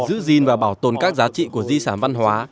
giữ gìn và bảo tồn các giá trị của di sản văn hóa